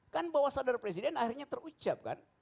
kan bahwa sadar presiden akhirnya terucapkan